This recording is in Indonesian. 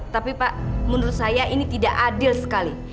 tapi pak menurut saya ini tidak adil sekali